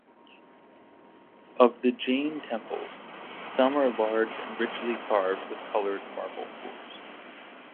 Of the Jain temples, some are large and richly carved with coloured marble floors.